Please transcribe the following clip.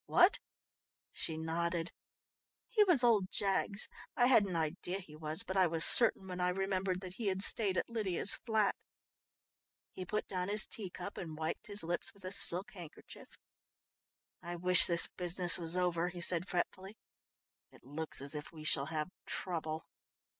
"What?" She nodded. "He was old Jaggs. I had an idea he was, but I was certain when I remembered that he had stayed at Lydia's flat." He put down his tea cup and wiped his lips with a silk handkerchief. "I wish this business was over," he said fretfully. "It looks as if we shall have trouble."